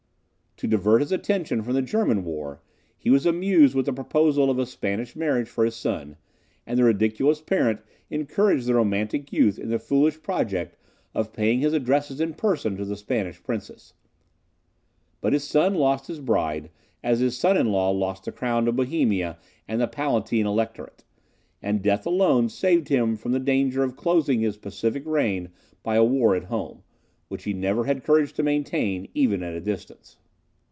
To divert his attention from the German war, he was amused with the proposal of a Spanish marriage for his son, and the ridiculous parent encouraged the romantic youth in the foolish project of paying his addresses in person to the Spanish princess. But his son lost his bride, as his son in law lost the crown of Bohemia and the Palatine Electorate; and death alone saved him from the danger of closing his pacific reign by a war at home, which he never had courage to maintain, even at a distance.